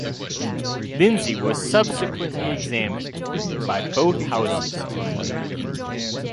Lindsay was subsequently examined by both Houses on the matter.